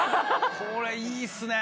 これいいっすね！